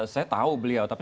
saya tahu beliau tapi